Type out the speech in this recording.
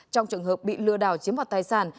trong trường hợp bị lừa đảo chiếm hoạt tài sản